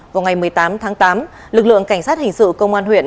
vào ngày một mươi tám tháng tám lực lượng cảnh sát hình sự công an huyện